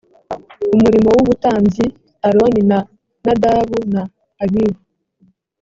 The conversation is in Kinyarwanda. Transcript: umurimo w ubutambyi aroni na nadabu na abihu